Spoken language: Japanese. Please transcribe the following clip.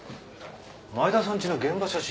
前田さんちの現場写真。